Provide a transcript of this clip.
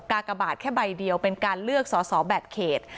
กากบาทแค่ใบเดียวเป็นการเลือกสอสอแบบเขต